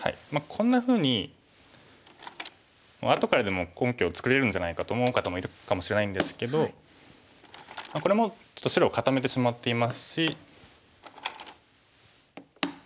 こんなふうに後からでも根拠を作れるんじゃないかと思う方もいるかもしれないんですけどこれもちょっと白を固めてしまっていますし。